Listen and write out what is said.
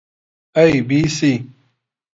ئەی بی سی